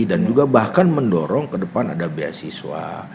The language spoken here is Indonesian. dan juga bahkan mendorong ke depan ada beasiswa